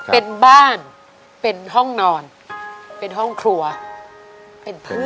เป็นบ้านเป็นห้องนอนเป็นห้องครัวเป็นพื้น